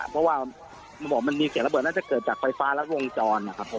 เพราะว่ามันบอกมันมีเสียงระเบิดน่าจะเกิดจากไฟฟ้ารัดวงจรนะครับผม